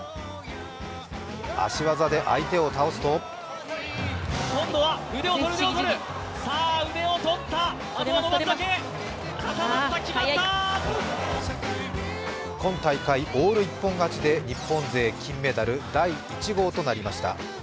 足技で相手を倒すと今大会オール一本勝ちで日本勢金メダル第１号となりました。